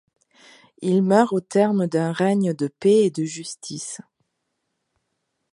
Il meurt au terme d’un règne de paix et de justice.